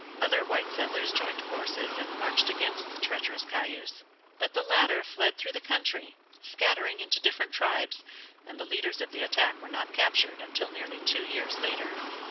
Other white settlers joined forces and marched against the treacherous Cayuse, but the latter fled through the country, scattering into different tribes, and the leaders of the attack were not captured until nearly two years later.